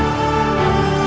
ketika pikiranmu terlihat